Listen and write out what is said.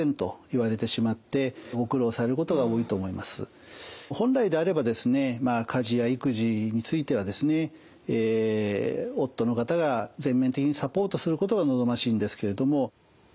特に本来であれば家事や育児についてはですね夫の方が全面的にサポートすることが望ましいんですけれども。